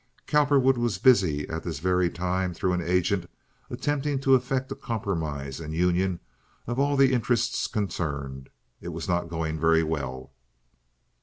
Cowperwood was busy at this very time, through an agent, attempting to effect a compromise and union of all interests concerned. It was not going very well.